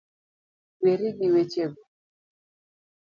Weri gi wechego